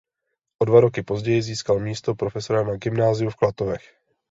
O dva roky později získal místo profesora na gymnáziu v Klatovech.